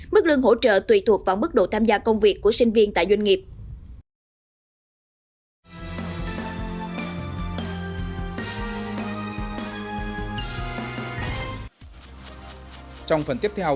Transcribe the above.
mức lương hỗ trợ tùy thuộc vào mức độ tham gia công việc của sinh viên tại doanh nghiệp